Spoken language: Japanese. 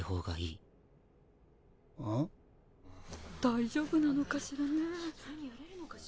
大丈夫なのかしらねえ。